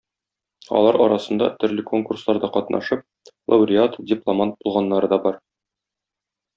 Алар арасында төрле конкурсларда катнашып, лауреат, дипломант булганнары да бар.